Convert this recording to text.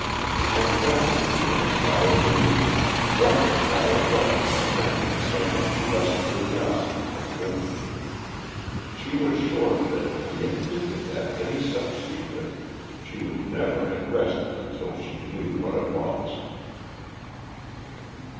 And Bessie, with a sigh of relief, wondered why it was that men have so much less curiosity than women. She was sure that if he had hinted at any such secret she would never have rested until she knew what it was.